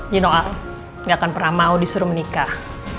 you know al gak akan pernah mau disuruh menikah